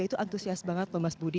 itu antusias banget pembas budi